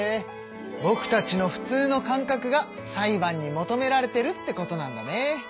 ぼくたちのふつうの感覚が裁判に求められてるってことなんだね。